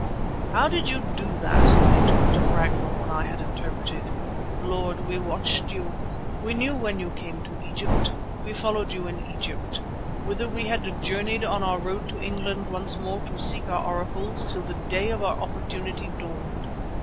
"How did you do that?" interrupted Ragnall when I had interpreted. "Lord, we watched you. We knew when you came to Egypt; we followed you in Egypt, whither we had journeyed on our road to England once more to seek our Oracles, till the day of our opportunity dawned.